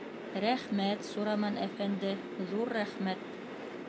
— Рәхмәт, Сураман әфәнде, ҙур рәхмәт.